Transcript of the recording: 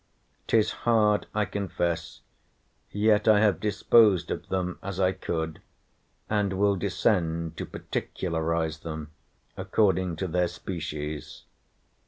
'Tis hard I confess, yet I have disposed of them as I could, and will descend to particularize them according to their species.